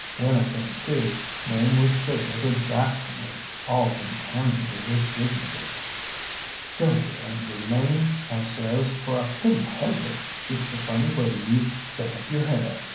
When I came to, Mame was sitting with her back to me, all contaminated with dignity. ŌĆ£ŌĆśDonŌĆÖt be angry, Mame, ŌĆÖ I says, ŌĆśfor I couldnŌĆÖt help it. ItŌĆÖs the funny way youŌĆÖve done up your hair.